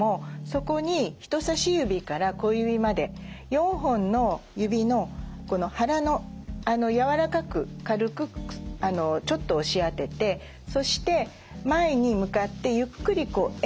そこに人さし指から小指まで４本の指のこの腹の柔らかく軽くちょっと押し当ててそして前に向かってゆっくり円を描くようにマッサージ。